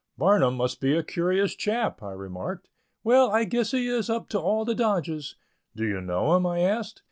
"Barnum must be a curious chap," I remarked. "Well, I guess he is up to all the dodges." "Do you know him?" I asked.